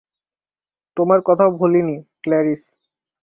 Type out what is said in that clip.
তোমার কথাও ভুলিনি, ক্ল্যারিস।